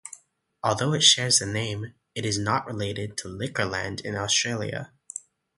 Although it shares the name, it is not related to Liquorland in Australia.